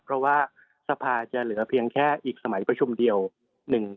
เพราะว่าสภาจะเหลือเพียงแค่อีกสมัยประชุมเดียว